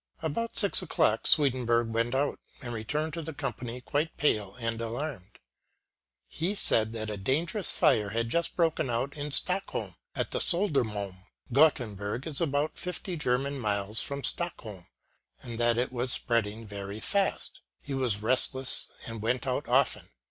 About six o'clock Sweden borg went out, and returned to the company quite pale and alarmed. He said that a dangerous fire had just broken out in Stockholm, at the Sodermalm (Gottenburg is about fifty German miles from Stock holm), and that it was spreading very fast. He was restless, and went out often.